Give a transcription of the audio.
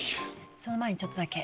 その前にちょっとだけ。